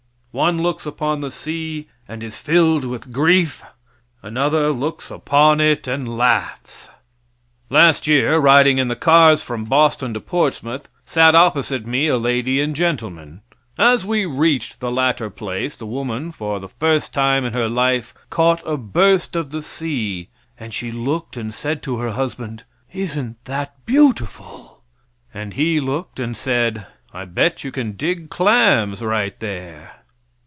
One looks upon the sea and is filled with grief; another looks upon it and laughs. Last year, riding in the cars from Boston to Portsmouth, sat opposite me a lady and gentleman. As we reached the latter place the woman, for the first time in her life, caught a burst of the sea, and she looked and said to her husband "Isn't that beautiful!" And he looked and said: "I'll bet you can dig clams right there."